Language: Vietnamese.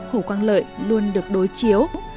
hồ quang lợi luôn được đối chiếu